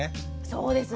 そうですね。